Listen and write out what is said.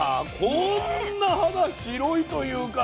こんな肌白いというかね。